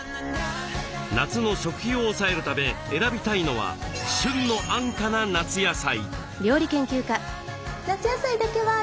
夏の食費を抑えるため選びたいのは旬の安価な夏野菜。